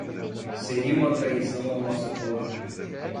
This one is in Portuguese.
seria uma traição ao nosso povo